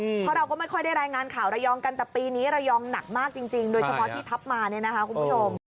เพราะเราก็ไม่ค่อยได้รายงานข่าวระยองกันแต่ปีนี้ระยองหนักมากจริงโดยเฉพาะที่ทัพมาเนี่ยนะคะคุณผู้ชม